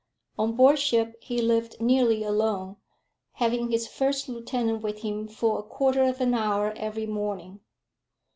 On board ship he lived nearly alone, having his first lieutenant with him for a quarter of an hour every morning.